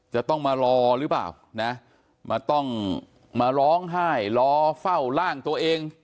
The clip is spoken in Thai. จะต้องมารอหรือเปล่านะมาต้องมาร้องไห้รอเฝ้าร่างตัวเอง